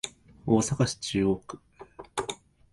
大阪市中央区